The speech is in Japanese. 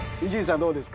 どうですか？